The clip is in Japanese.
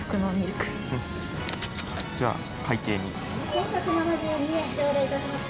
１，１７２円頂戴いたします。